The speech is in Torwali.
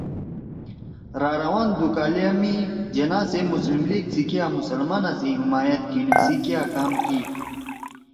راروَان دُو کالا می جناح صیب مسلم لیگ سی کیا مسلمانا سی حمایت گھیِنُو سی کیا کام کی